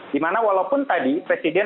di mana walaupun tadi presiden